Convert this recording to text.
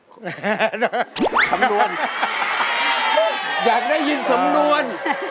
คำนวณอยากได้ยินสำนวน